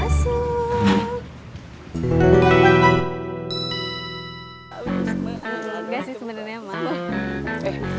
gak sih sebenernya emang